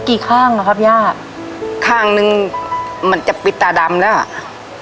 กี่ข้างอ่ะครับย่าข้างนึงมันจะปิดตาดำแล้วอ่ะ